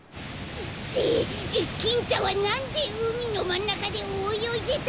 でキンちゃんはなんでうみのまんなかでおよいでたの？